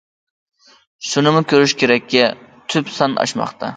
شۇنىمۇ كۆرۈش كېرەككى، تۈپ سان ئاشماقتا.